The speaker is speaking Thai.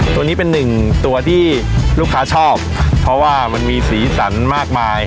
ตัวนี้เป็นหนึ่งตัวที่ลูกค้าชอบเพราะว่ามันมีสีสันมากมาย